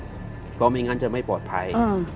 เพราะไม่งั้นจะไม่ปลอดภัย